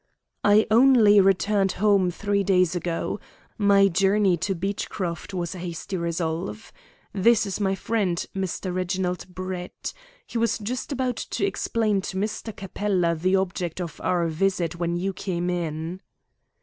"I only returned home three days ago. My journey to Beechcroft was a hasty resolve. This is my friend, Mr. Reginald Brett. He was just about to explain to Mr. Capella the object of our visit when you came in."